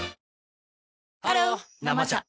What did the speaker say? ハロー「生茶」